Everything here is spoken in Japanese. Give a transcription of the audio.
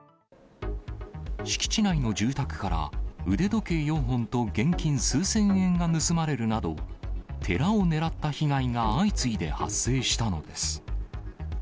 敷地内の住宅から腕時計４本と現金数千円が盗まれるなど、寺をねらった被害が相次いで発生したのです。